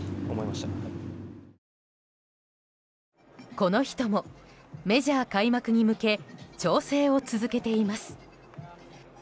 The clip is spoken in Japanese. この人も、メジャー開幕に向け調整を続けています。